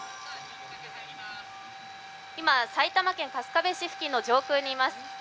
今、埼玉県春日部市付近の上空にいます。